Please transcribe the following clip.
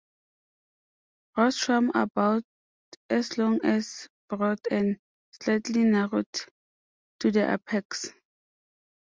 Rostrum about as long as broad and slightly narrowed to the apex.